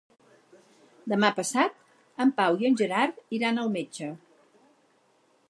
Demà passat en Pau i en Gerard iran al metge.